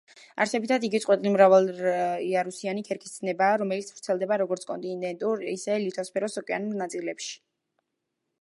არსებითად იგი წყვეტილი მრავალიარუსიანი ქერქის ცნებაა, რომელიც ვრცელდება როგორც კონტინენტურ, ისე ლითოსფეროს ოკეანურ ნაწილებში.